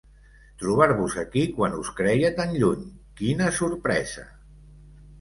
Trobar-vos aquí quan us creia tan lluny: quina sorpresa!